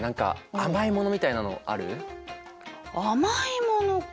甘いものか。